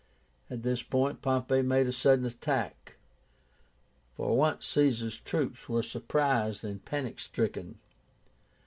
At this point Pompey made a sudden attack. For once Caesar's troops were surprised and panic stricken.